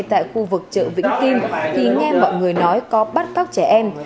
tại khu vực chợ vĩnh kim thì nghe mọi người nói có bắt cóc trẻ em